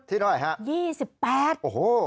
ที่เท่าไหร่ครับ๒๘บาทโอ้โฮ